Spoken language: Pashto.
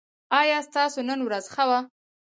ایا ستاسو نن ورځ ښه وه؟